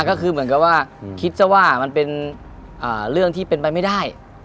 ก็คือเหมือนกับว่าคิดซะว่ามันเป็นเรื่องที่เป็นไปไม่ได้